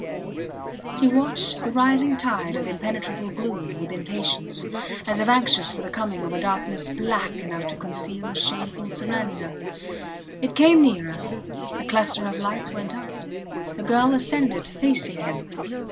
He watched the rising tide of impenetrable gloom with impatience, as if anxious for the coming of a darkness black enough to conceal a shameful surrender. It came nearer. The cluster of lights went out. The girl ascended facing him.